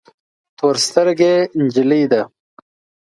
تور سترګي جلی ده